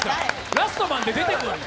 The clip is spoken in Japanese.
「ラストマン」で出てくんの？